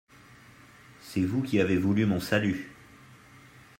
C'est vous qui avez voulu mon salut.